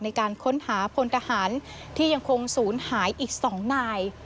ในการค้นหาพลทหารที่ยังคงศูนย์หายอีก๒นาย